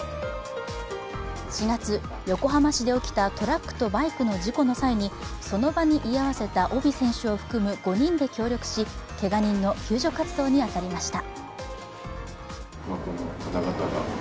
４月、横浜市で起きたトラックとバイクの事故の際にその場に居合わせたオビ選手を含む５人で協力し、けが人の救助活動に当たりました。